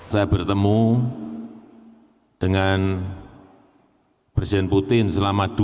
saya bertemu dengan presiden putin selama dua tahun